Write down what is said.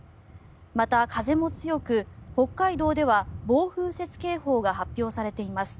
また風も強く、北海道では暴風雪警報が発表されています。